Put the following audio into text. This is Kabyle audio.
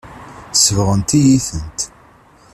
Sebɣent-iyi-tent.